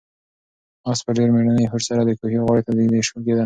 آس په ډېر مېړني هوډ سره د کوهي غاړې ته نږدې کېده.